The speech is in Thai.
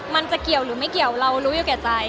มันจะเกี่ยวหรือไม่เกี่ยวเรารู้อยู่แก่ใจ